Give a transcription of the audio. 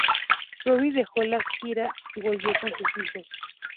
Robby dejó la gira y volvió con sus hijos.